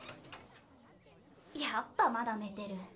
やっぱまだ寝てる。